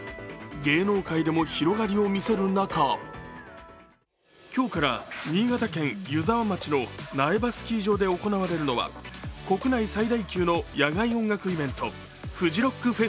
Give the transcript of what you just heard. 芸能界でも広がりを見せる中、今日から新潟県の湯沢町苗場スキー場で行われるのは国内最大級の野外音楽イベント、ＦＵＪＩＲＯＣＫＦＥＳＴＩＶＡＬ。